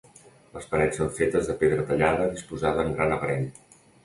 Les parets són fetes de pedra tallada disposada en gran aparell.